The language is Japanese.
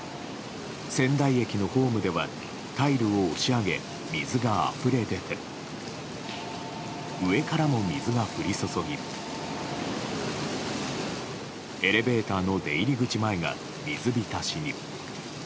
仙台駅のホームではタイルを押し上げ水があふれ出て上からも水が降り注ぎエレベーターの出入り口前が水浸しに。